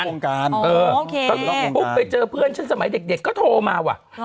ปุ๊บไปเจอเพื่อนฉันสมัยเด็กก็โทรมาว่ะ